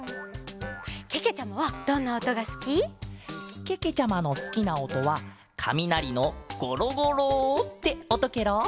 けけちゃまはどんなおとがすき？けけちゃまのすきなおとはかみなりのゴロゴロっておとケロ！